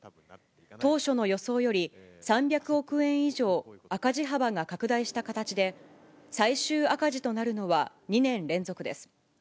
当初の予想より３００億円以上、赤字幅が拡大した形で、最終赤字となるのは２年連続です。